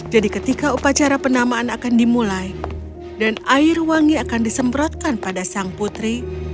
jadi ketika upacara penamaan akan dimulai dan air wangi akan disemprotkan pada sang putri